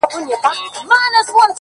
• پر دې گناه خو ربه راته ثواب راکه ـ